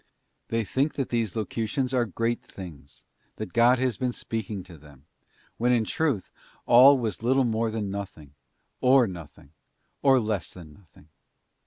They think that these locutions are great things, that God has been speaking to them, when in truth all was little more than nothing, or nothing, or less than nothing.